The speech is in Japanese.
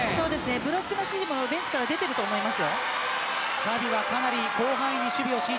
フロントの指示もベンチから出ていると思います。